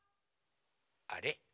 あれ？